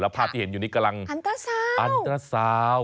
แล้วพาที่เห็นอยู่นี่กำลังอันเตอร์สาว